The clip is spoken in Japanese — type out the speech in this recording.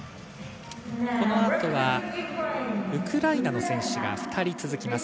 この後がウクライナの選手、２人続きます。